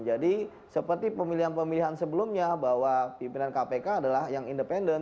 jadi seperti pemilihan pemilihan sebelumnya bahwa pimpinan kpk adalah yang independen